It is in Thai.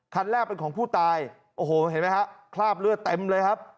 คันแรกเป็นของผู้ตายโอ้โหเห็นไหมฮะคราบเลือดเต็มเลยครับ